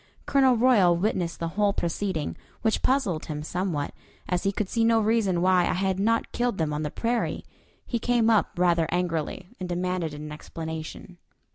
Colonel Royal witnessed the whole proceeding, which puzzled him somewhat, as he could see no reason why I had not killed them on the prairie. He came up rather angrily, and demanded an explanation.